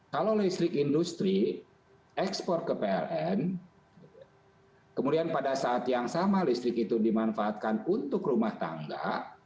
kalau listrik industri ekspor ke pln kemudian pada saat yang sama listrik itu dimanfaatkan untuk rumah tangga